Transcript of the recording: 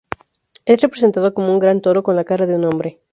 Es representado como un gran toro con la cara de un hombre.